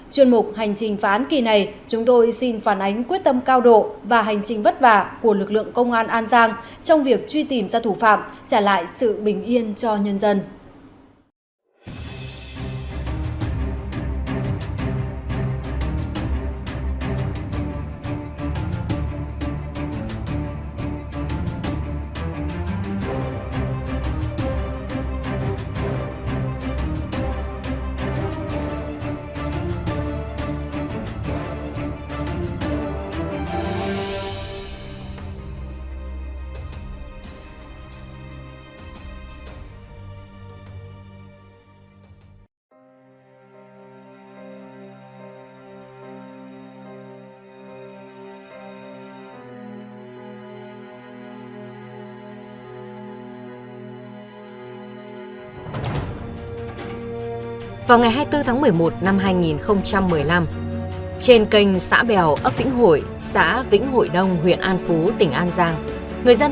chuyên mục hành trình phá án kỳ này chúng tôi xin phản ánh quyết tâm cao độ và hành trình vất vả của lực lượng công an an giang trong việc truy tìm ra thủ phạm trả lại sự bình yên cho nhân dân